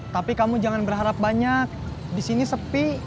tapi kamu jangan berharap banyak di sini sepi